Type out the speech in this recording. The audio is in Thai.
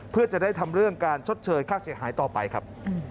เพื่อจะได้ทำเรื่องการชดเชยค่าเสียหายต่อไปครับ